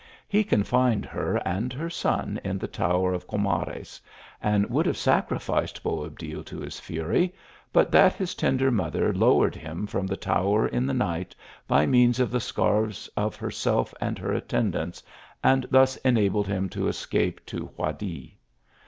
He confined her and her son in the tower of Gomares, and would have sacrificed Bcab dil to his fury, but that his tender mother lowered him from the tower, in the night, by means of the scarfs of herself and her attendants, and thus enabled him to escape to Guadix.